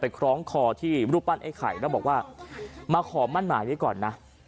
คล้องคอที่รูปปั้นไอ้ไข่แล้วบอกว่ามาขอมั่นหมายไว้ก่อนนะ